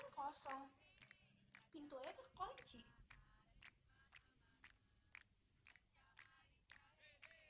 mungkin mereka marah